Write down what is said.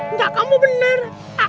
nggak kamu bener